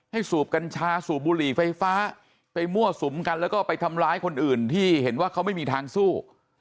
สูบกัญชาสูบบุหรี่ไฟฟ้าไปมั่วสุมกันแล้วก็ไปทำร้ายคนอื่นที่เห็นว่าเขาไม่มีทางสู้